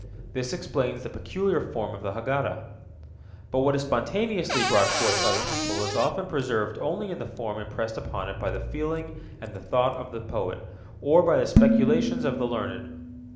This explains the peculiar form of the Haggadah. But what is spontaneously brought forth by the people is often preserved only in the form impressed upon it by the feeling and the thought of the poet, or by the speculations of the learned.